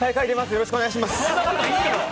よろしくお願いします。